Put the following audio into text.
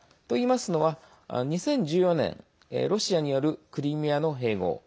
といいますのは、２０１４年ロシアによるクリミアの併合。